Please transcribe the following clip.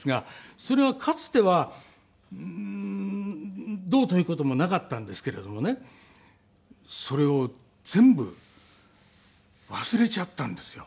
それはかつてはどうという事もなかったんですけれどもねそれを全部忘れちゃったんですよ。